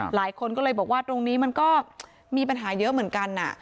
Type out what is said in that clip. หลายคนก็เลยบอกว่าตรงนี้มันก็มีปัญหาเยอะเหมือนกัน